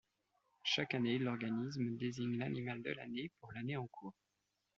Chaque année, l'organisme désigne l'animal de l'année pour l'année en cours.